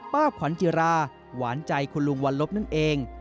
ป้าขวัญจิราหวานใจคุณลุงวันลบนั่นเอง